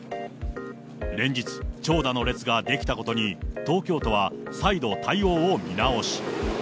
連日、長蛇の列が出来たことに、東京都は再度、対応を見直し。